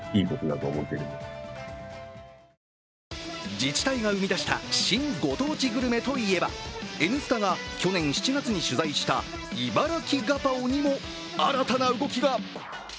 自治体が生み出した新ご当地グルメといえば、「Ｎスタ」が去年７月に取材したいばらきガパオにも新たな動きが。